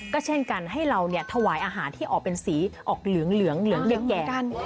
ก็เช่นกันให้เราเนี่ยถวายอาหารที่ออกเป็นสีออกเหลืองเหลืองแก่